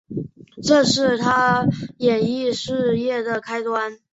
这是她演艺事业的开端。